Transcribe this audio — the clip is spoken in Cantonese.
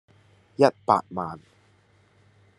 一百萬